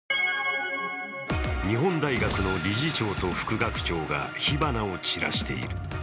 日本大学の理事長と副学長が火花を散らしている。